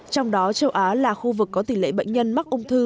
trong đó châu á là khu vực có tỷ lệ bệnh nhân mắc ung thư